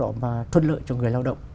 đó là cái việc mà thuận lợi cho người lao động